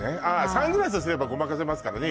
サングラスすればごまかせますからね